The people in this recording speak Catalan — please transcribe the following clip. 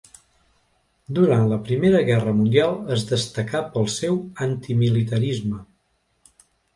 Durant la Primera Guerra Mundial es destacà pel seu antimilitarisme.